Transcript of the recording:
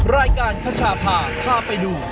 รายการคชาพาพาไปดู